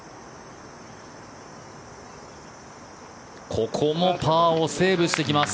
ここもパーをセーブしていきます。